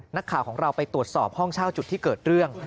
นักข่าวของเราไปตรวจสอบห้องเช่าจุดที่เกิดเรื่อง